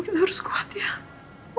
kita harus kuat hadapin nino